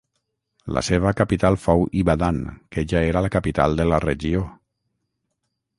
La seva capital fou Ibadan, que ja era la capital de la regió.